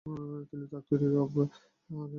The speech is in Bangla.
তিনি তার থিওরি অফ রেন্ট-এর জন্য বিখ্যাত।